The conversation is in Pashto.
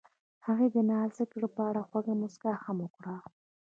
هغې د نازک زړه په اړه خوږه موسکا هم وکړه.